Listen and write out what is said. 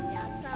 ya asal mas